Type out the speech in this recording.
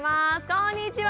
こんにちは！